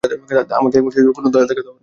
আমাকে কোনো দয়া দেখাতে হবে না।